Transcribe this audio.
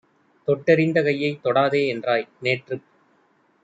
தொட்டறிந்த கையைத் தொடாதேஎன் றாய்! நேற்றுப்